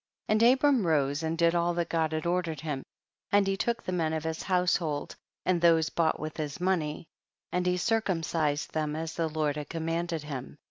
And Abraham rose and did all that God had ordered him, and he took the men of his household and those bought with his money, and he circumcised them as the Lord had commanded him.